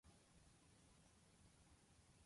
He died of pneumonia at Falmouth.